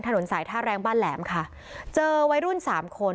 ถนนสายท่าแรงบ้านแหลมค่ะเจอวัยรุ่นสามคน